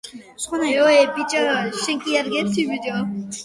ყველა ვაშლის ყვავილს საუცხოო ნექტარი აქვს.